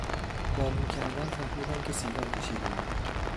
با بو کردن فهمیدم که سیگار کشیدهای.